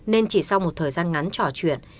nên chỉ sau một thời gian ngắn trò chuyện